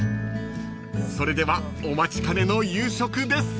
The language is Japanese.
［それではお待ちかねの夕食です］